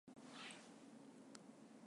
山東省の省都は済南である